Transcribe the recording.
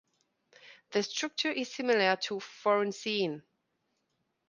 The structure is similar to ferrocene.